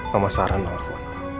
mama saran mama